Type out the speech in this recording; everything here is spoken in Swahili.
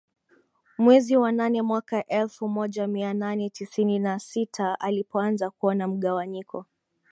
Mwezi wa nane mwaka elfu moja mia nane tisini na sita alipoanza kuona mgawanyiko